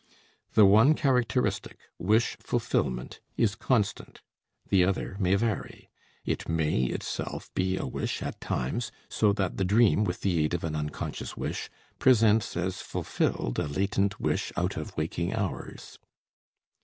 The one characteristic, wish fulfillment, is constant; the other may vary; it may itself be a wish at times, so that the dream, with the aid of an unconscious wish, presents as fulfilled a latent wish out of waking hours.